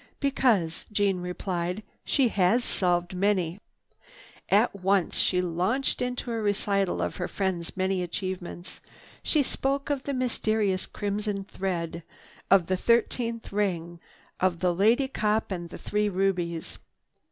"Because," Jeanne replied, "she has solved many." At once she launched into a recital of her friend's many achievements. She spoke of the mysterious "Crimson Thread," of the "Thirteenth Ring," of the "Lady Cop and the Three Rubies."